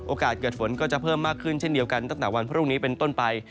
เกิดฝนก็จะเพิ่มมากขึ้นเช่นเดียวกันตั้งแต่วันพรุ่งนี้เป็นต้นไป